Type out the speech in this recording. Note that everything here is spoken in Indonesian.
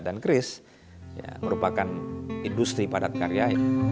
dan keris merupakan industri padat karya